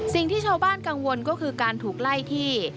สิ่งที่ชาวบ้านกังวลก็คือการถูกไล่ที่